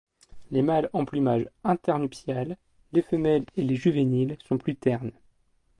Les mâles en plumage internuptial, les femelles et les juvéniles sont plus ternes.